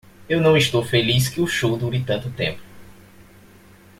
Eu não estou feliz que o show dure tanto tempo.